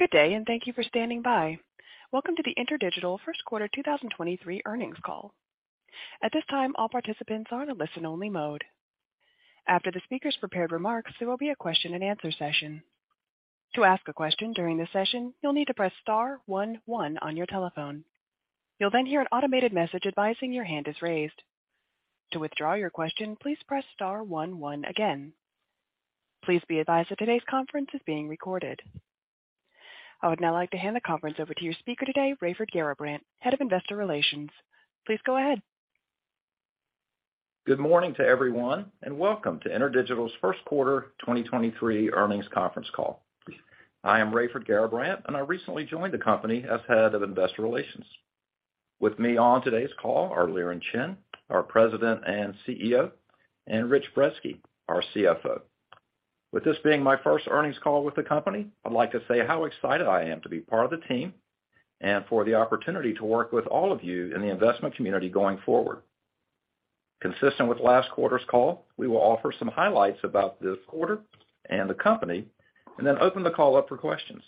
Good day, and thank you for standing by. Welcome to the InterDigital First Quarter 2023 earnings call. At this time, all participants are in listen only mode. After the speaker's prepared remarks, there will be a question and answer session. To ask a question during the session, you'll need to press star one one on your telephone. You'll then hear an automated message advising your hand is raised. To withdraw your question, please press star one one again. Please be advised that today's conference is being recorded. I would now like to hand the conference over to your speaker today, Raiford Garrabrant, Head of Investor Relations. Please go ahead. Good morning to everyone. Welcome to InterDigital's first quarter 2023 earnings conference call. I am Raiford Garrabrant, and I recently joined the company as Head of Investor Relations. With me on today's call are Liren Chen, our President and CEO, and Richard Brezski, our CFO. With this being my first earnings call with the company, I'd like to say how excited I am to be part of the team and for the opportunity to work with all of you in the investment community going forward. Consistent with last quarter's call, we will offer some highlights about this quarter and the company and then open the call up for questions.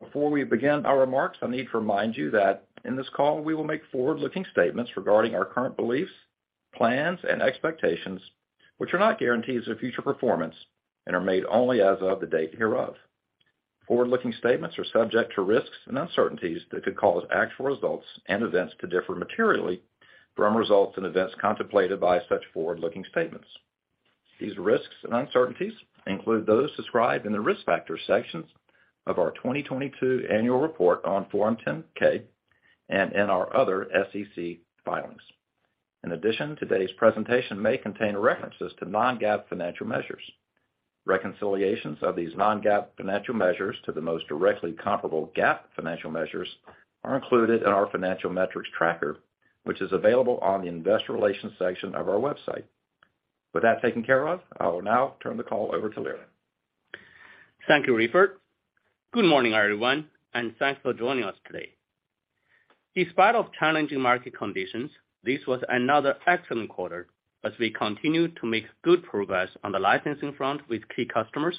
Before we begin our remarks, I need to remind you that in this call we will make forward-looking statements regarding our current beliefs, plans, and expectations, which are not guarantees of future performance and are made only as of the date hereof. Forward-looking statements are subject to risks and uncertainties that could cause actual results and events to differ materially from results and events contemplated by such forward-looking statements. These risks and uncertainties include those described in the Risk Factors sections of our 2022 annual report on Form 10-K and in our other SEC filings. In addition, today's presentation may contain references to non-GAAP financial measures. Reconciliations of these non-GAAP financial measures to the most directly comparable GAAP financial measures are included in our financial metrics tracker, which is available on the investor relations section of our website. With that taken care of, I will now turn the call over to Liren. Thank you, Raiford. Good morning, everyone, and thanks for joining us today. In spite of challenging market conditions, this was another excellent quarter as we continued to make good progress on the licensing front with key customers,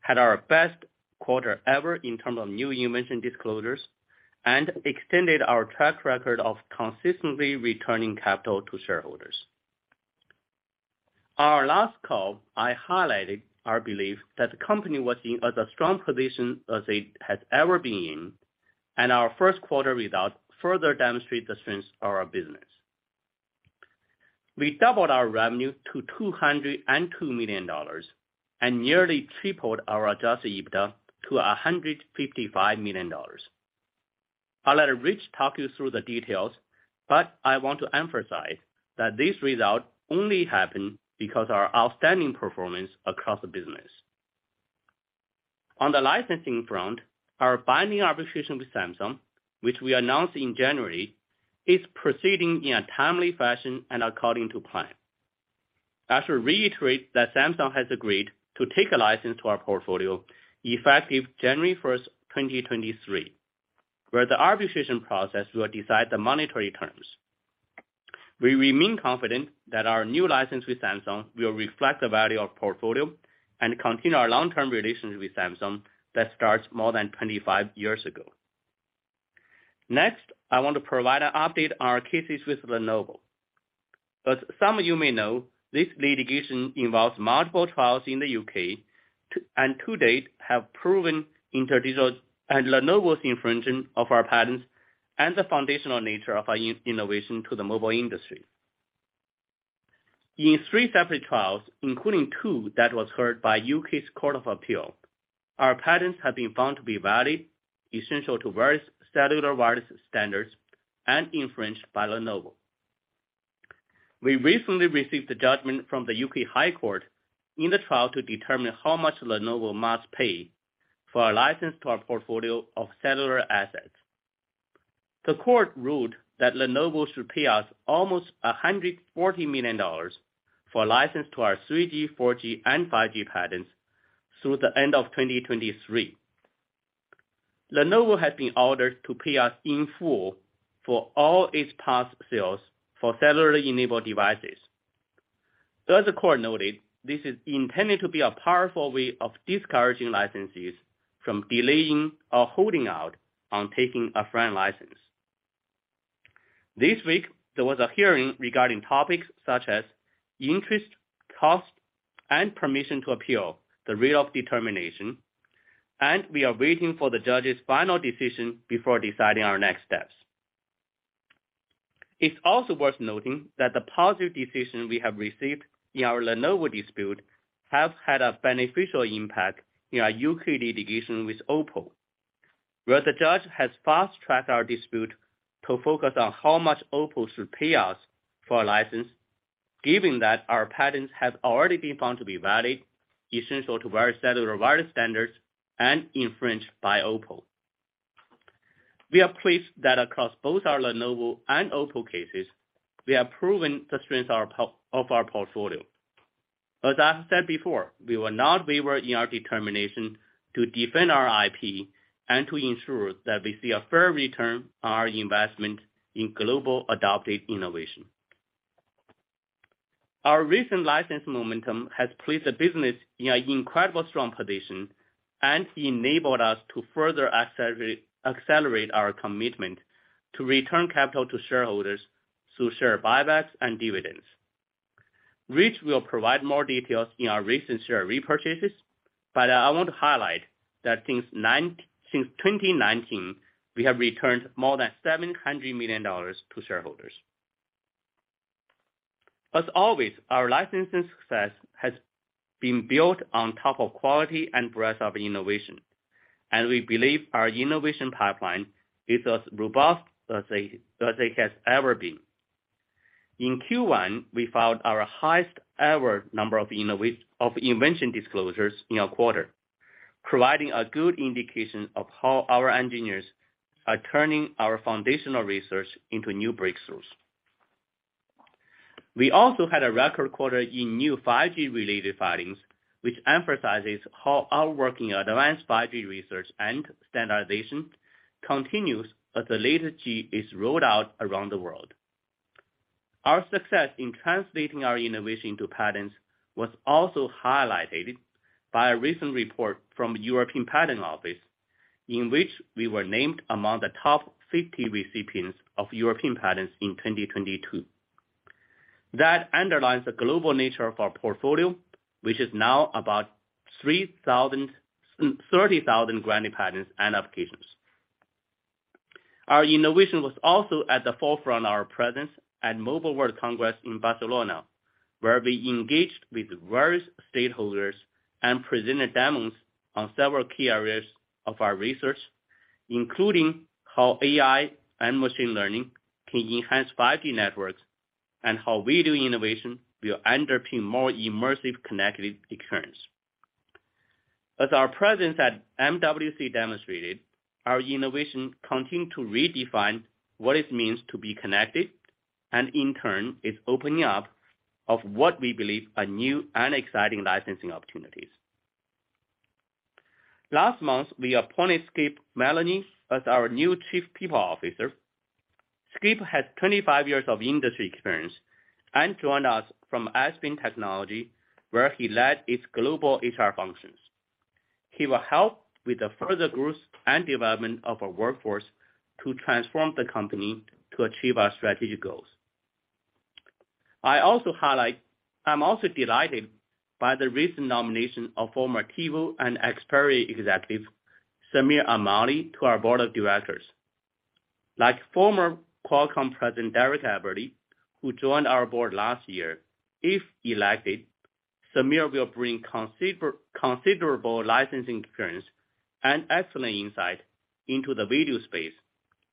had our best quarter ever in terms of new invention disclosures, and extended our track record of consistently returning capital to shareholders. Our last call, I highlighted our belief that the company was in as strong a position as it has ever been in, and our first quarter results further demonstrate the strength of our business. We doubled our revenue to $202 million and nearly tripled our adjusted EBITDA to $155 million. I'll let Rich talk you through the details, but I want to emphasize that this result only happened because our outstanding performance across the business. On the licensing front, our binding arbitration with Samsung, which we announced in January, is proceeding in a timely fashion and according to plan. I should reiterate that Samsung has agreed to take a license to our portfolio effective January 1st, 2023, where the arbitration process will decide the monetary terms. We remain confident that our new license with Samsung will reflect the value of portfolio and continue our long-term relationship with Samsung that starts more than 25 years ago. I want to provide an update on our cases with Lenovo. As some of you may know, this litigation involves multiple trials in the U.K. and to date have proven InterDigital and Lenovo's infringement of our patents and the foundational nature of our in-innovation to the mobile industry. In three separate trials, including two that was heard by U.K.'s Court of Appeal, our patents have been found to be valid, essential to various cellular wireless standards and infringed by Lenovo. We recently received a judgment from the U.K. High Court in the trial to determine how much Lenovo must pay for a license to our portfolio of cellular assets. The court ruled that Lenovo should pay us almost $140 million for a license to our 3G, 4G, and 5G patents through the end of 2023. Lenovo has been ordered to pay us in full for all its past sales for cellular-enabled devices. The court noted this is intended to be a powerful way of discouraging licensees from delaying or holding out on taking a FRAND license. This week, there was a hearing regarding topics such as interest, cost, and permission to appeal the rate of determination. We are waiting for the judge's final decision before deciding our next steps. It's also worth noting that the positive decision we have received in our Lenovo dispute has had a beneficial impact in our U.K. litigation with OPPO, where the judge has fast-tracked our dispute to focus on how much OPPO should pay us for a license, given that our patents have already been found to be valid, essential to various cellular wireless standards and infringed by OPPO. We are pleased that across both our Lenovo and OPPO cases, we have proven the strength of our portfolio. As I said before, we will not waver in our determination to defend our IP and to ensure that we see a fair return on our investment in global adopted innovation. Our recent license momentum has placed the business in an incredible strong position and enabled us to further accelerate our commitment to return capital to shareholders through share buybacks and dividends. Rich will provide more details in our recent share repurchases, I want to highlight that since 2019, we have returned more than $700 million to shareholders. As always, our licensing success has been built on top of quality and breadth of innovation, we believe our innovation pipeline is as robust as it has ever been. In Q1, we filed our highest ever number of invention disclosures in a quarter, providing a good indication of how our engineers are turning our foundational research into new breakthroughs. We also had a record quarter in new 5G-related filings, which emphasizes how our work in advanced 5G research and standardization continues as the latest G is rolled out around the world. Our success in translating our innovation to patents was also highlighted by a recent report from European Patent Office, in which we were named among the top 50 recipients of European patents in 2022. That underlines the global nature of our portfolio, which is now about 30,000 granted patents and applications. Our innovation was also at the forefront of our presence at Mobile World Congress in Barcelona, where we engaged with various stakeholders and presented demos on several key areas of our research, including how AI and machine learning can enhance 5G networks and how video innovation will underpin more immersive connected experience. As our presence at MWC demonstrated, our innovation continued to redefine what it means to be connected, and in turn is opening up of what we believe are new and exciting licensing opportunities. Last month, we appointed Skip Maloney as our new Chief People Officer. Skip has 25 years of industry experience and joined us from Aspen Technology, where he led its global HR functions. He will help with the further growth and development of our workforce to transform the company to achieve our strategic goals. I'm also delighted by the recent nomination of former TiVo and Xperi executive Samir Armaly to our board of directors. Like former Qualcomm President Derek Aberle, who joined our board last year, if elected, Samir will bring considerable licensing experience and excellent insight into the video space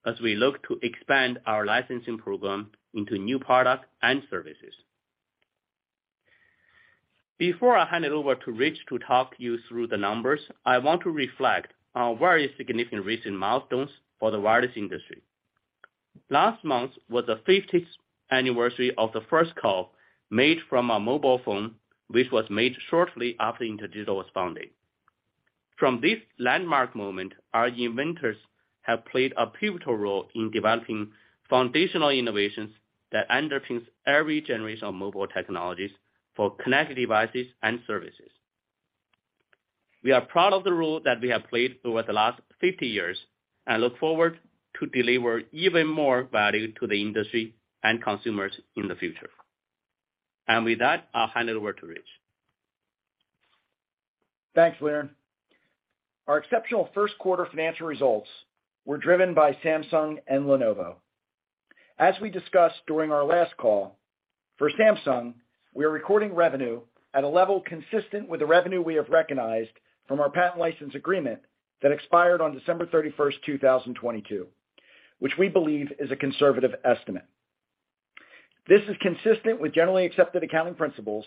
as we look to expand our licensing program into new products and services. Before I hand it over to Rich to talk you through the numbers, I want to reflect on very significant recent milestones for the wireless industry. Last month was the 50th anniversary of the first call made from a mobile phone, which was made shortly after InterDigital was founded. From this landmark moment, our inventors have played a pivotal role in developing foundational innovations that underpins every generation of mobile technologies for connected devices and services. We are proud of the role that we have played over the last 50 years, and look forward to deliver even more value to the industry and consumers in the future. With that, I'll hand it over to Rich. Thanks, Liren. Our exceptional first quarter financial results were driven by Samsung and Lenovo. As we discussed during our last call, for Samsung, we are recording revenue at a level consistent with the revenue we have recognized from our patent license agreement that expired on December 31st, 2022, which we believe is a conservative estimate. This is consistent with generally accepted accounting principles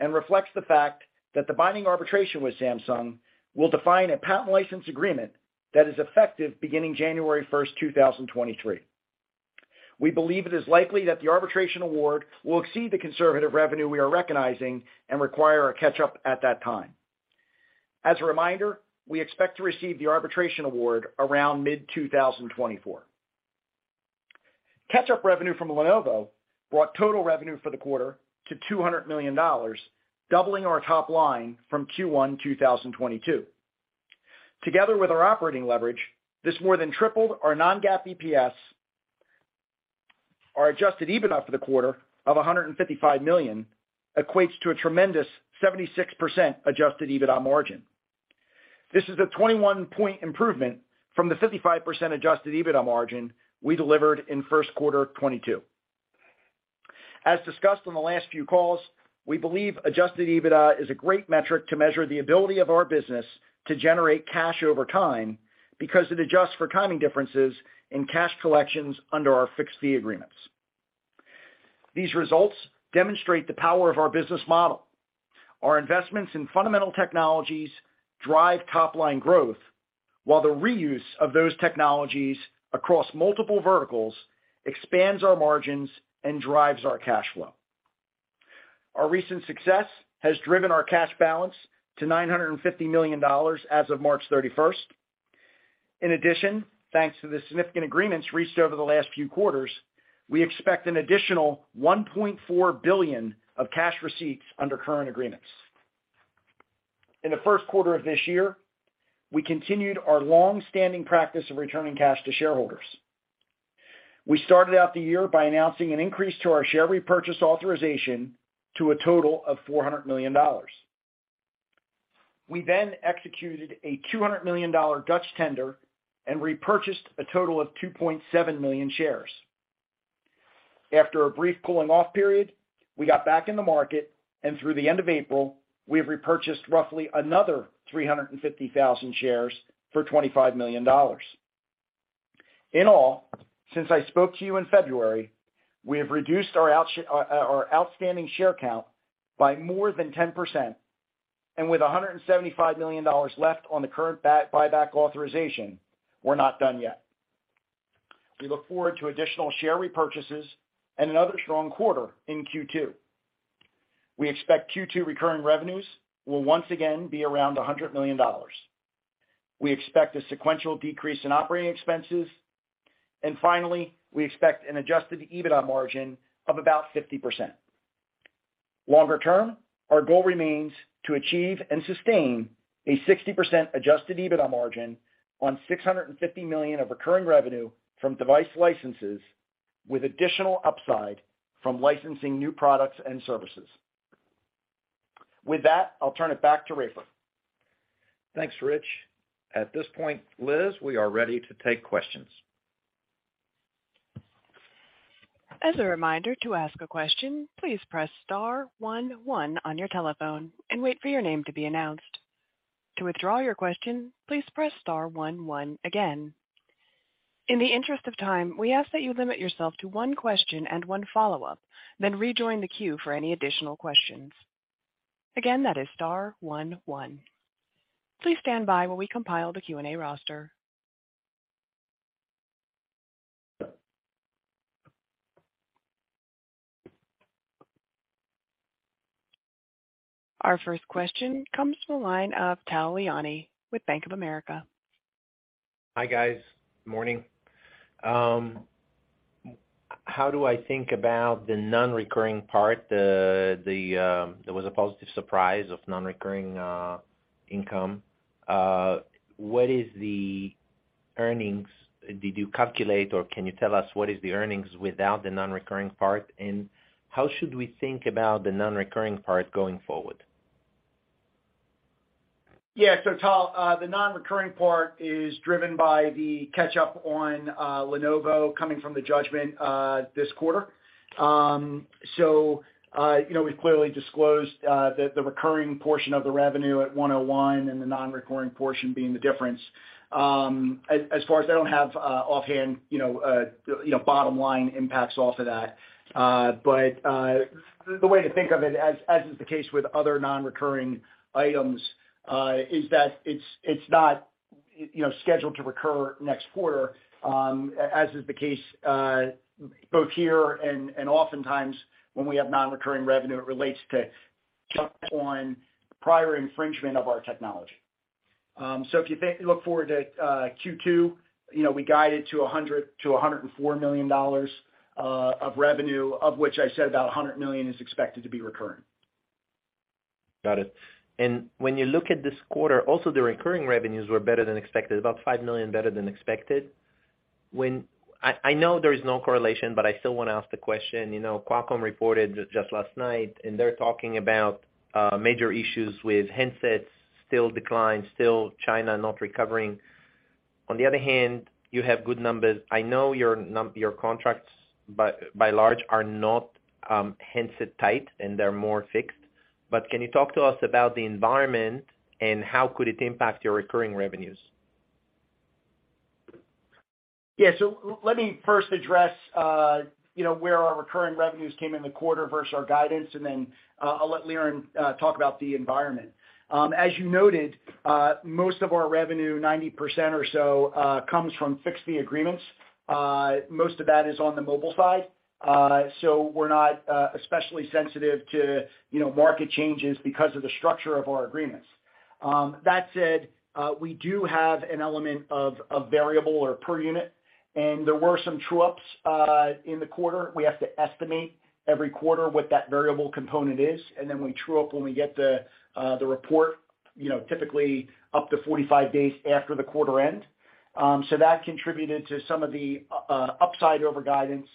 and reflects the fact that the binding arbitration with Samsung will define a patent license agreement that is effective beginning January 1st, 2023. We believe it is likely that the arbitration award will exceed the conservative revenue we are recognizing and require a catch-up at that time. As a reminder, we expect to receive the arbitration award around mid-2024. Catch-up revenue from Lenovo brought total revenue for the quarter to $200 million, doubling our top line from Q1 2022. Together with our operating leverage, this more than tripled our non-GAAP EPS. Our adjusted EBITDA for the quarter of $155 million equates to a tremendous 76% adjusted EBITDA margin. This is a 21 point improvement from the 55% adjusted EBITDA margin we delivered in first quarter 2022. As discussed on the last few calls, we believe adjusted EBITDA is a great metric to measure the ability of our business to generate cash over time, because it adjusts for timing differences in cash collections under our fixed fee agreements. These results demonstrate the power of our business model. Our investments in fundamental technologies drive top line growth, while the reuse of those technologies across multiple verticals expands our margins and drives our cash flow. Our recent success has driven our cash balance to $950 million as of March 31st. In addition, thanks to the significant agreements reached over the last few quarters, we expect an additional $1.4 billion of cash receipts under current agreements. In the first quarter of this year, we continued our long-standing practice of returning cash to shareholders. We started out the year by announcing an increase to our share repurchase authorization to a total of $400 million. We executed a $200 million Dutch tender and repurchased a total of 2.7 million shares. After a brief cooling off period, we got back in the market, through the end of April, we have repurchased roughly another 350,000 shares for $25 million. In all, since I spoke to you in February, we have reduced our outstanding share count by more than 10%, with $175 million left on the current buyback authorization, we're not done yet. We look forward to additional share repurchases and another strong quarter in Q2. We expect Q2 recurring revenues will once again be around $100 million. We expect a sequential decrease in operating expenses. Finally, we expect an adjusted EBITDA margin of about 50%. Longer term, our goal remains to achieve and sustain a 60% adjusted EBITDA margin on $650 million of recurring revenue from device licenses, with additional upside from licensing new products and services. With that, I'll turn it back to Raiford. Thanks, Rich. At this point, Liz, we are ready to take questions. As a reminder, to ask a question, please press star one one on your telephone and wait for your name to be announced. To withdraw your question, please press star one one again. In the interest of time, we ask that you limit yourself to 1 question and 1 follow-up, then rejoin the queue for any additional questions. Again, that is star one one. Please stand by while we compile the Q&A roster. Our first question comes from the line of Tal Liani with Bank of America. Hi, guys. Morning. How do I think about the non-recurring part? There was a positive surprise of non-recurring income. What is the earnings? Did you calculate, or can you tell us what is the earnings without the non-recurring part? How should we think about the non-recurring part going forward? Yeah. Tal, the non-recurring part is driven by the catch-up on Lenovo coming from the judgment this quarter. You know, we've clearly disclosed the recurring portion of the revenue at 101 and the non-recurring portion being the difference. As far as I don't have offhand, you know, bottom line impacts off of that. The way to think of it, as is the case with other non-recurring items, is that it's not, you know, scheduled to recur next quarter, as is the case, both here and oftentimes when we have non-recurring revenue, it relates to catch up on prior infringement of our technology. If you think, look forward to Q2, you know, we guided to $100 million-$104 million of revenue, of which I said about $100 million is expected to be recurring. Got it. When you look at this quarter, also the recurring revenues were better than expected, about $5 million better than expected. I know there is no correlation, but I still wanna ask the question. You know, Qualcomm reported just last night, and they're talking about major issues with handsets still declined, still China not recovering. On the other hand, you have good numbers. I know your contracts by large are not handset tight, and they're more fixed. Can you talk to us about the environment and how could it impact your recurring revenues? Yeah. Let me first address, you know, where our recurring revenues came in the quarter versus our guidance, and then I'll let Liren talk about the environment. As you noted, most of our revenue, 90% or so, comes from fixed fee agreements. Most of that is on the mobile side. We're not especially sensitive to, you know, market changes because of the structure of our agreements. That said, we do have an element of variable or per unit, and there were some true-ups in the quarter. We have to estimate every quarter what that variable component is, and then we true up when we get the report, you know, typically up to 45 days after the quarter end. That contributed to some of the upside over guidance.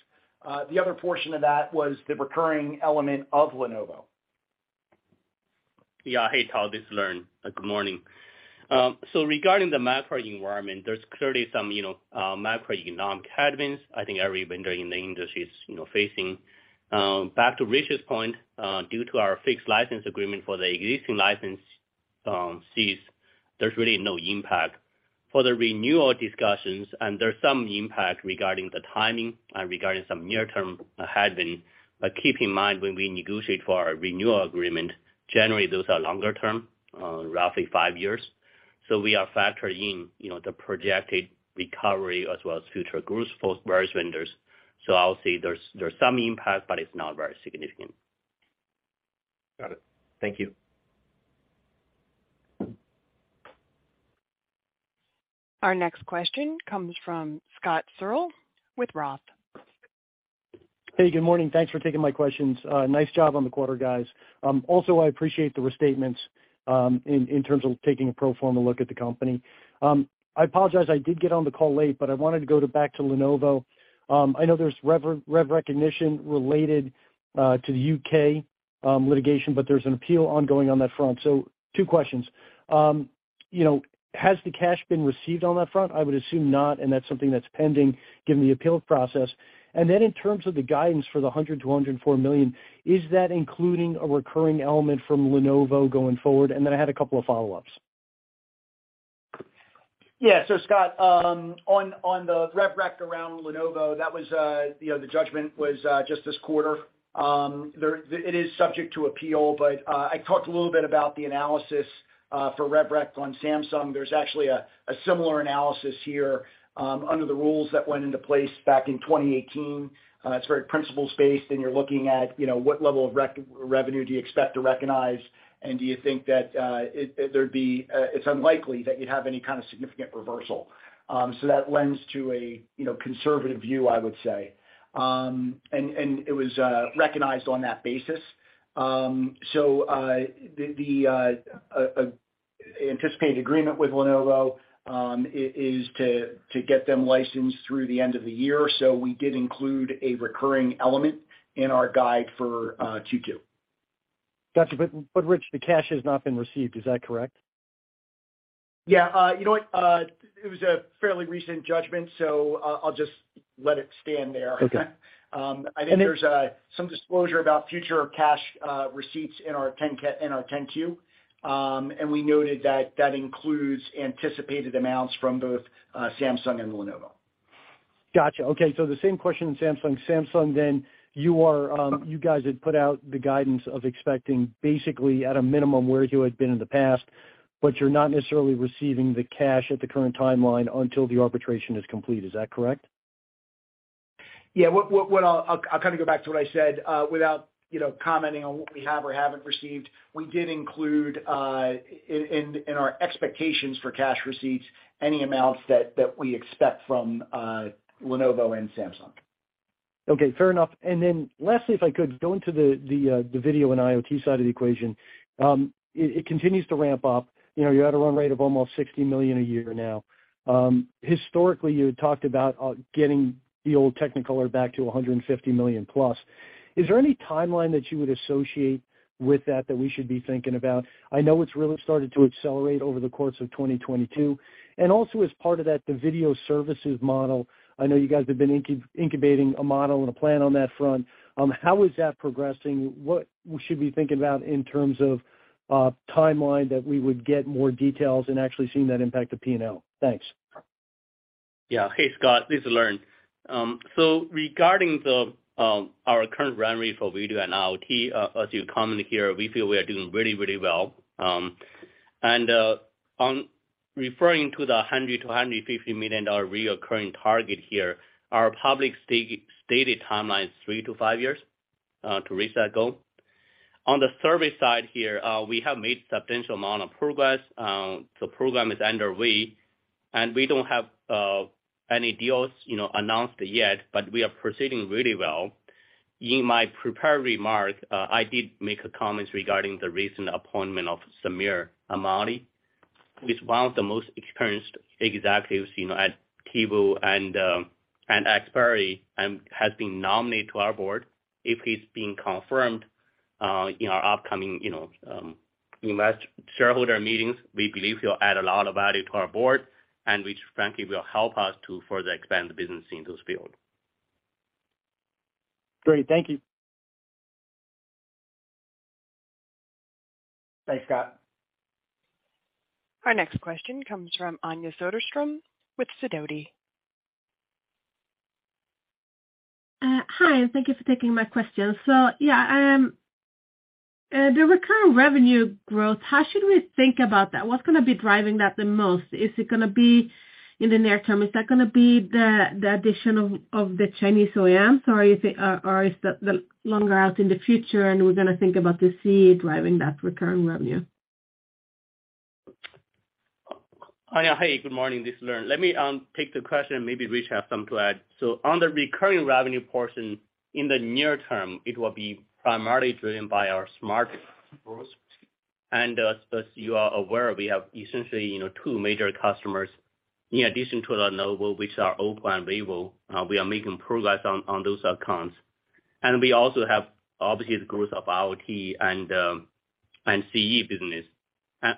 The other portion of that was the recurring element of Lenovo. Yeah. Hey, Tal, this is Liren. Good morning. Regarding the macroeconomic environment, there's clearly some, you know, macroeconomic headwinds I think every vendor in the industry is, you know, facing. Back to Rich's point, due to our fixed license agreement for the existing license, fees, there's really no impact. For the renewal discussions, and there's some impact regarding the timing and regarding some near-term headwinds, but keep in mind, when we negotiate for our renewal agreement, generally those are longer term, roughly five years. We are factoring, you know, the projected recovery as well as future growth for various vendors. I'll say there's some impact, but it's not very significant. Got it. Thank you. Our next question comes from Scott Searle with Roth. Hey, good morning. Thanks for taking my questions. Nice job on the quarter, guys. Also, I appreciate the restatements, in terms of taking a pro forma look at the company. I apologize, I did get on the call late, but I wanted to go back to Lenovo. I know there's rev recognition related to the U.K. litigation, but there's an appeal ongoing on that front. Two questions. You know, has the cash been received on that front? I would assume not, and that's something that's pending given the appeals process. In terms of the guidance for the $100 million-$204 million, is that including a recurring element from Lenovo going forward? I had a couple of follow-ups. Scott, on the rev rec around Lenovo, that was, you know, the judgment was just this quarter. It is subject to appeal, but I talked a little bit about the analysis for rev rec on Samsung. There's actually a similar analysis here under the rules that went into place back in 2018. It's very principles-based, and you're looking at, you know, what level of rec-revenue do you expect to recognize, and do you think that it's unlikely that you'd have any kind of significant reversal. That lends to a, you know, conservative view, I would say. And it was recognized on that basis. The anticipated agreement with Lenovo is to get them licensed through the end of the year. We did include a recurring element in our guide for Q2. Got you. Rich, the cash has not been received, is that correct? Yeah. you know what? It was a fairly recent judgment, I'll just let it stand there. Okay. I think there's some disclosure about future cash receipts in our 10-Q. We noted that that includes anticipated amounts from both Samsung and Lenovo. Gotcha. Okay. The same question in Samsung. Samsung, you are, you guys had put out the guidance of expecting basically at a minimum where you had been in the past, but you're not necessarily receiving the cash at the current timeline until the arbitration is complete. Is that correct? Yeah. What I'll kind of go back to what I said. Without, you know, commenting on what we have or haven't received, we did include in our expectations for cash receipts any amounts that we expect from Lenovo and Samsung. Okay. Fair enough. Then lastly, if I could go into the video and IoT side of the equation. It continues to ramp up. You know, you had a run rate of almost $60 million a year now. Historically, you had talked about getting the old Technicolor back to $150 million plus. Is there any timeline that you would associate with that that we should be thinking about? I know it's really started to accelerate over the course of 2022. Also as part of that, the video services model, I know you guys have been incubating a model and a plan on that front. How is that progressing? What we should be thinking about in terms of timeline that we would get more details and actually seeing that impact the P&L? Thanks. Hey, Scott, this is Liren. Regarding our current run rate for video and IoT, as you commonly hear, we feel we are doing really, really well. Referring to the $100 million-$150 million recurring target here, our public stated timeline is three to five years to reach that goal. On the service side here, we have made substantial amount of progress. The program is underway, we don't have any deals, you know, announced yet, we are proceeding really well. In my prepared remark, I did make a comment regarding the recent appointment of Samir Armaly, who is one of the most experienced executives, you know, at TiVo and Xperi, and has been nominated to our board. If he's being confirmed, in our upcoming, you know, invest shareholder meetings, we believe he'll add a lot of value to our Board and which frankly will help us to further expand the business in those field. Great. Thank you. Thanks, Scott. Our next question comes from Anja Soderstrom with Sidoti. Hi, and thank you for taking my question. Yeah, the recurring revenue growth, how should we think about that? What's gonna be driving that the most? Is it gonna be in the near term? Is that gonna be the addition of the Chinese OEM, or is the longer out in the future, and we're gonna think about the CE driving that recurring revenue? Anja, hey, good morning. This is Liren. Let me take the question. Maybe Rich has something to add. On the recurring revenue portion, in the near term, it will be primarily driven by our smart growth. As you are aware, we have essentially, you know, two major customers in addition to Lenovo, which are OPPO and vivo. We are making progress on those accounts. We also have obviously the growth of IoT and CE business.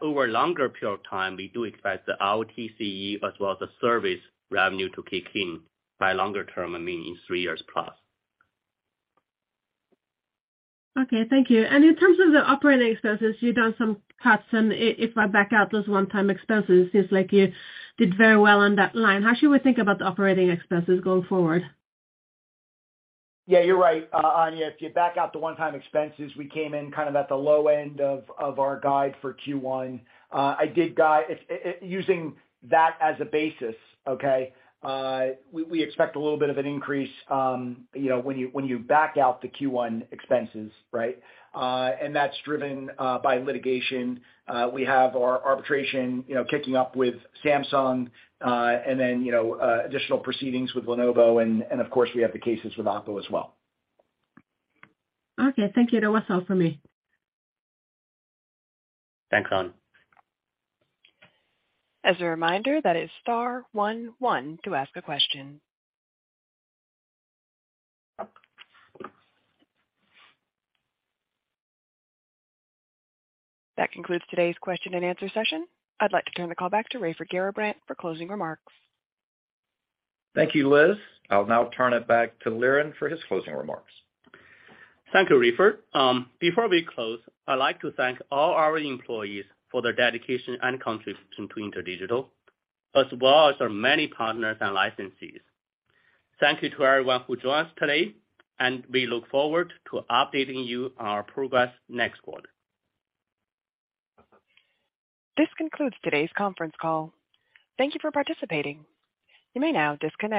Over a longer period of time, we do expect the IoT, CE, as well as the service revenue to kick in by longer term, I mean in three years plus. Okay, thank you. In terms of the operating expenses, you've done some cuts and if I back out those one-time expenses, it's like you did very well on that line. How should we think about the operating expenses going forward? Yeah, you're right. Anja, if you back out the one-time expenses, we came in kind of at the low end of our guide for Q1. I did guide. It's using that as a basis, okay. We expect a little bit of an increase, you know, when you back out the Q1 expenses, right? That's driven by litigation. We have our arbitration, you know, kicking up with Samsung, and then, you know, additional proceedings with Lenovo and of course, we have the cases with OPPO as well. Okay. Thank you. That was all for me. Thanks, Anja. As a reminder, that is star one one to ask a question. That concludes today's question and answer session. I'd like to turn the call back to Raiford Garrabrant for closing remarks. Thank you, Liz. I'll now turn it back to Liren for his closing remarks. Thank you, Raiford. Before we close, I'd like to thank all our employees for their dedication and contribution to InterDigital, as well as our many partners and licensees. Thank you to everyone who joined us today. We look forward to updating you on our progress next quarter. This concludes today's conference call. Thank you for participating. You may now disconnect.